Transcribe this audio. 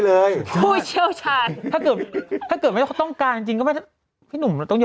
ถ้าเกิดไม่ต้องการจริงก็ไม่ต้อง